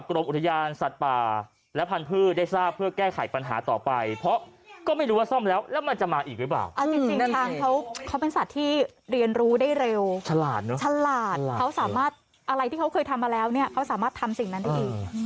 คือเป็นสัตว์ที่เรียนรู้ได้เร็วฉลาดอะไรที่เขาเคยทำมาแล้วเขาสามารถทำสิ่งนั้นได้อีก